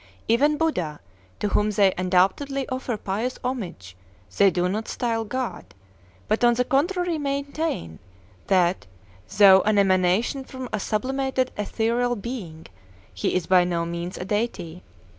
Even Buddha, to whom they undoubtedly offer pious homage, they do not style "God" but on the contrary maintain that, though an emanation from a "sublimated ethereal being," he is by no means a deity.